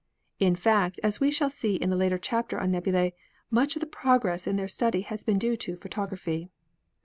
In fact, as we shall see in a later chapter on nebulae, much of the progress in their study has been due to photography."